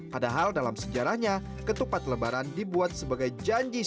padahal dalam sejarahnya ketupat lebaran dibuat sebagai janji sejarah